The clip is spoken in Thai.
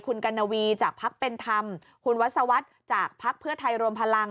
คุณกัณวีจากพักเป็นธรรมคุณวัศวรรษจากภักดิ์เพื่อไทยรวมพลัง